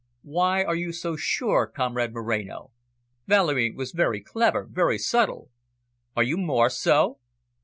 "Why are you so sure, comrade Moreno? Valerie was very clever, very subtle. Are you more so?"